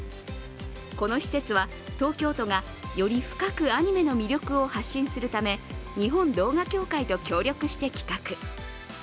この施設は東京都が、より深くアニメの魅力を発信するため日本動画協会と協力して企画。